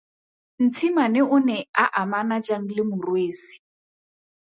Ntshimane o ne a amana jang le Morwesi?